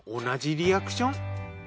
同じリアクション。